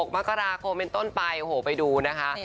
มาก็รากลเมนต้นไปโอ้โหไปดูนะคะ